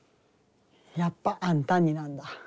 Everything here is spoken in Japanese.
やっぱ「あんたに」なんだ。